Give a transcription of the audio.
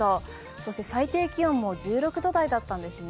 そして最低気温も１６度台だったんですね。